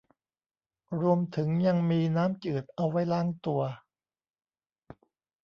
รวมถึงยังมีน้ำจืดเอาไว้ล้างตัว